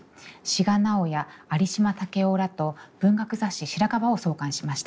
志賀直哉有島武郎らと文学雑誌「白樺」を創刊しました。